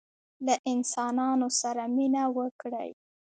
له انسانانو سره مینه وکړئ